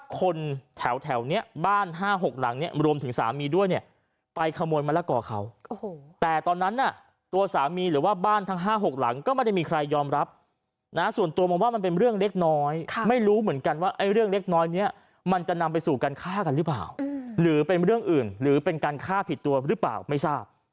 คนแถวนี้บ้าน๕๖หลังเนี่ยรวมถึงสามีด้วยเนี่ยไปขโมยมะละกอเขาแต่ตอนนั้นน่ะตัวสามีหรือว่าบ้านทั้ง๕๖หลังก็ไม่ได้มีใครยอมรับนะส่วนตัวมองว่ามันเป็นเรื่องเล็กน้อยไม่รู้เหมือนกันว่าไอ้เรื่องเล็กน้อยเนี่ยมันจะนำไปสู่การฆ่ากันหรือเปล่าหรือเป็นเรื่องอื่นหรือเป็นการฆ่าผิดตัวหรือเปล่าไม่ทราบ